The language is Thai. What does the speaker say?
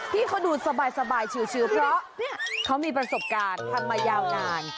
ที่เขาดูสบายชิวเพราะเขามีประสบการณ์ทำมายาวนาน